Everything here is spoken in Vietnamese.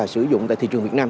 sử dụng tại thị trường việt nam